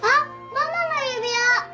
ママの指輪！